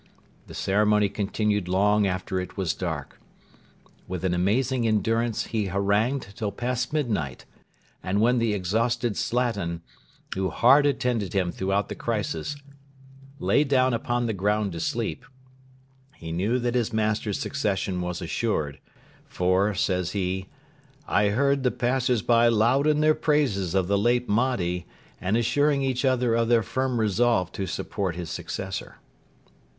The ceremony continued long after it was dark. With an amazing endurance he harangued till past midnight, and when the exhausted Slatin, who hard attended him throughout the crisis, lay down upon the ground to sleep, he knew that his master's succession was assured; for, says he, 'I heard the passers by loud in their praises of the late Mahdi, and assuring each other of their firm resolve to support his successor.'